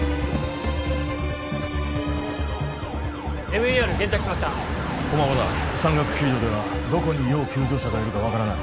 ＭＥＲ現着しました駒場だ山岳救助ではどこに要救助者がいるか分からない